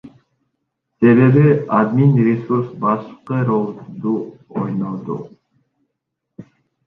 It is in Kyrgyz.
Себеби админресурс башкы ролду ойноду.